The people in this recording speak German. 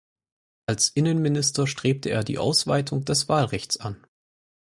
Als Innenminister strebte er die Ausweitung des Wahlrechts an.